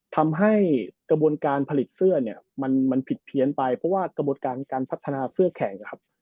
ทำให้กระบวนการผลิตเสื้อเนี่ยมันผิดเพี้ยนไปเพราะว่ากระบวนการการพัฒนาเสื้อแข่งนะครับ